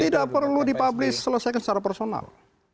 tidak perlu dipublis selesaikan secara personal